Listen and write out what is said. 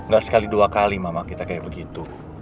gak sekali dua kali mama kita kayak begitu